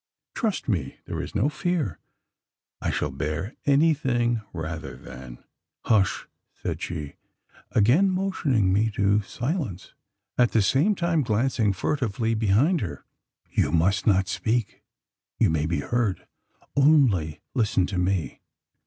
Trust me, there is no fear. I shall bear anything, rather than " "Hush!" said she, again motioning me to silence, at the same time glancing furtively behind her. "You must not speak: you may be heard! Only listen to me.